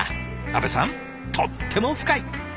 安部さんとっても深い。